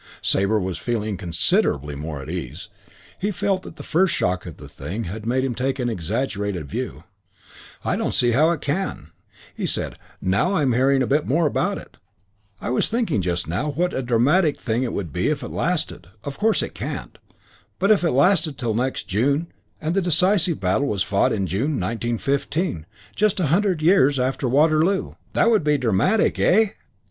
Sabre was feeling considerably more at ease. He felt that the first shock of the thing had made him take an exaggerated view. "I don't see how it can," he said, "now I'm hearing a bit more about it. I was thinking just now what a dramatic thing it would be if it lasted of course it can't but if it lasted till next June and the decisive battle was fought in June, 1915, just a hundred years after Waterloo. That would be dramatic, eh?"